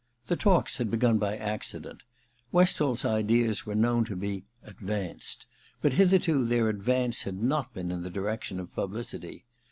The talks had begun by accident. Westall's ideas were known to be * advanced,' but hitherto their advance had not been in the direction of publicity.